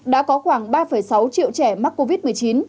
đã có khoảng ba sáu triệu trẻ mắc covid một mươi chín